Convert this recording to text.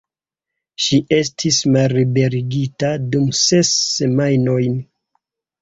Ŝi estis malliberigita dum ses semajnojn.